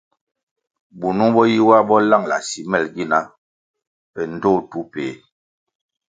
Bunung bo yi wa bo langʼla simel gina pe ndtoh tu peh.